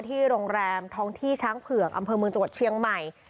ที่โรงแรมท้องที่ช้างเผือกอำเภอเมืองจังหวัดเชียงใหม่